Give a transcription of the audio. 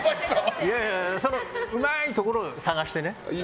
うまいところを探してね。